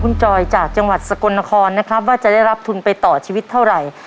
คุณจอยจากจังหวัดสกลนครนะครับว่าจะได้รับทุนไปต่อชีวิตเท่าไหร่